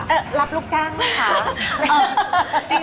รับลูกจ้างไหมคะ